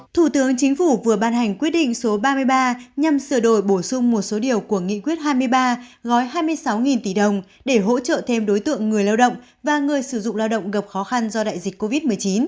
thủ tướng chính phủ vừa ban hành quyết định số ba mươi ba nhằm sửa đổi bổ sung một số điều của nghị quyết hai mươi ba gói hai mươi sáu tỷ đồng để hỗ trợ thêm đối tượng người lao động và người sử dụng lao động gặp khó khăn do đại dịch covid một mươi chín